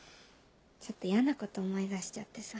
ちょっとやなこと思い出しちゃってさ。